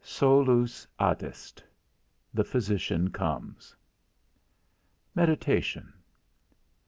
SOLUS ADEST. The physician comes V. MEDITATION.